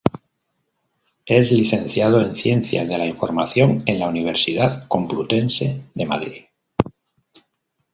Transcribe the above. Es Licenciado en Ciencias de la Información en la Universidad Complutense de Madrid.